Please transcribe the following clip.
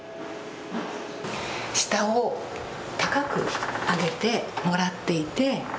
下を高く上げてもらっていて。